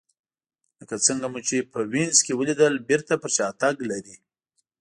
لکه څنګه مو چې په وینز کې ولیدل بېرته پر شا تګ لري